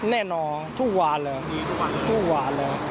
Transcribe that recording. แน่นอนทุกวันเลย